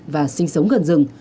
và sinh sống gần rừng